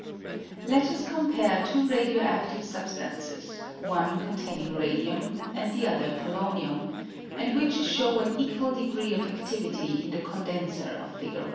Let us compare two radio adtive substances, one con taining radium and the other polonium, and which show an equal degree of adtivity in the condenser of Fig.